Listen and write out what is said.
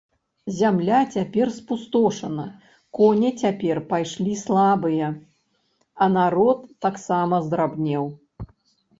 Зямля цяпер спустошана, коні цяпер пайшлі слабыя, а народ таксама здрабнеў.